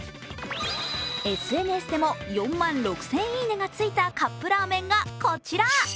ＳＮＳでも４万６０００「いいね」がついたカップラーメンがこちら。